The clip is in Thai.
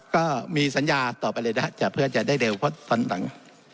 ก็มีสัญญาต่อไปเลยนะครับเพื่อจะได้เร็วเพราะตอนหลัง